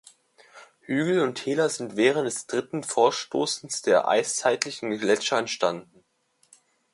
Hügel und Täler sind während des dritten Vorstoßes der eiszeitlichen Gletscher entstanden.